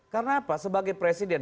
karena apa sebagai presiden